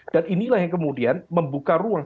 dan inilah yang kemudian membuka ruang